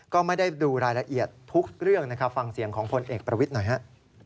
ก็ไม่ได้ดูรายละเอียดทุกเรื่องนะครับฟังเสียงของพลเอกประวิทย์หน่อยฮะ